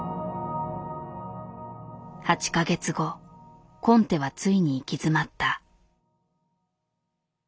８か月後コンテはついに行き詰まった。